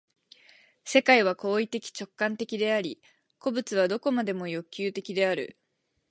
世界は行為的直観的であり、個物は何処までも欲求的である。